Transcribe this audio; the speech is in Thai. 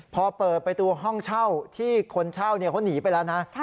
พอเปิดประตูห้องเช่าที่คนเช่าเขาหนีไปแล้วนะ